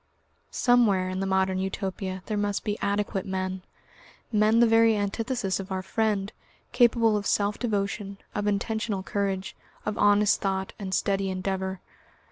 Somewhere in the Modern Utopia there must be adequate men, men the very antithesis of our friend, capable of self devotion, of intentional courage, of honest thought, and steady endeavour.